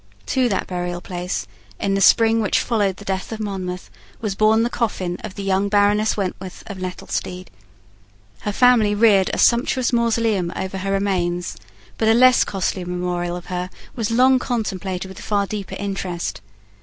To that burial place, in the spring which followed the death of Monmouth, was borne the coffin of the young Baroness Wentworth of Nettlestede. Her family reared a sumptuous mausoleum over her remains: but a less costly memorial of her was long contemplated with far deeper interest.